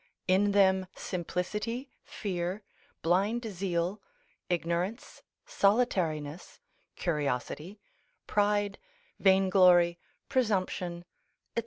In them simplicity, fear, blind zeal, ignorance, solitariness, curiosity, pride, vainglory, presumption, &c.